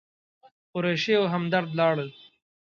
قریشي او همدرد ولاړل.